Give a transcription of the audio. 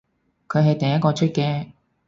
佢係第一個出嘅